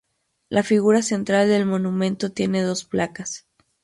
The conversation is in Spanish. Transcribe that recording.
La figura central del monumento tiene dos placas.